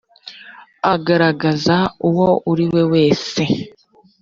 agaragaza uwo uri wese